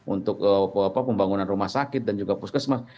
untuk pembangunan rumah sakit dan juga puskesmas